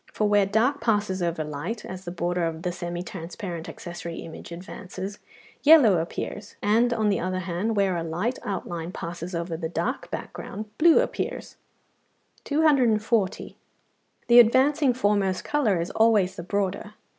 For where dark passes over light, as the border of the semi transparent accessory image advances, yellow appears; and, on the other hand, where a light outline passes over the dark background, blue appears (150, 151). 240. The advancing foremost colour is always the broader.